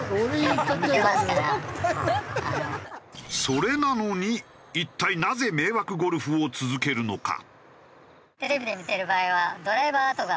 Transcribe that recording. それなのに一体なぜ迷惑ゴルフを続けるのか？